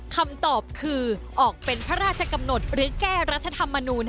คำตอบคือออกเป็นพระราชกำหนดหรือแก้รัฐธรรมนูล